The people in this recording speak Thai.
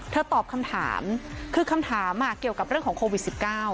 เธอตอบคำถามคือคำถามอ่ะเกี่ยวกับเรื่องของโควิดสิบเก้า